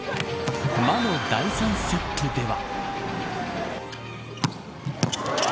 魔の第３セットでは。